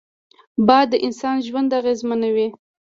باد د انسان ژوند اغېزمنوي